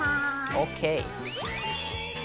ＯＫ！